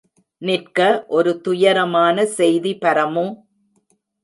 நிற்க, ஒரு துயரமான செய்தி பரமு!